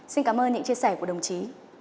xin cảm ơn những chia sẻ của đồng chí